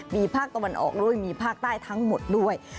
มีภาคตะวันออกด้วยมีภาคใต้ทั้งหมดด้วย